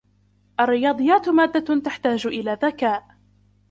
. الرّياضيات مادّة تحتاج إلى ذكاء